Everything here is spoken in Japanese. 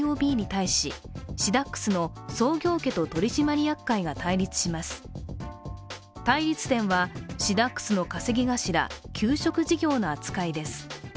対立点は、シダックスの稼ぎ頭給食事業の扱いです。